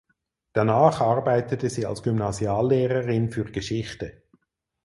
Danach arbeitete sie als Gymnasiallehrerin für Geschichte.